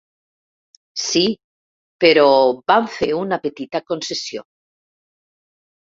Sí, però van fer una petita concessió.